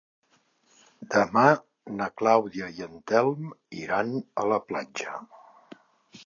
Demà na Clàudia i en Telm iran a la platja.